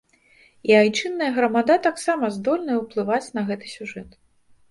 І айчынная грамада таксама здольная ўплываць на гэты сюжэт.